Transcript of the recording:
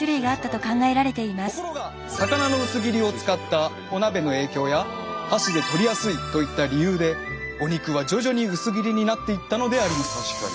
ところが魚の薄切りを使ったお鍋の影響や箸で取りやすいといった理由でお肉は徐々に薄切りになっていったのであります。